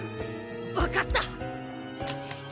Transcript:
わかった！